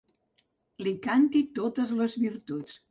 Li canti totes les virtuts.